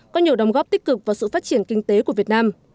có nhiều đóng góp tích cực vào sự phát triển kinh tế của việt nam